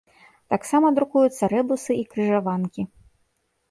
Таксама друкуюцца рэбусы і крыжаванкі.